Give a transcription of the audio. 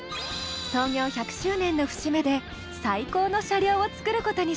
創業１００周年の節目で最高の車両を作ることにしたの。